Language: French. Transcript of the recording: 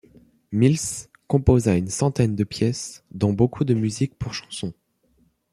Mills composa une centaine de pièces, dont beaucoup de musique pour chansons.